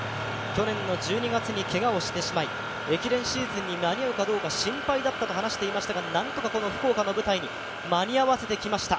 去年の１２月にけがをしてしまい、駅伝シーズンに間に合うかどうか心配だったと話していましたが、なんとかこの福岡の舞台に間に合わせてきました。